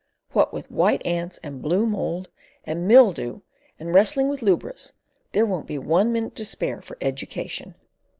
What with white ants, and blue mould, and mildew, and wrestling with lubras, there won't be one minute to spare for education."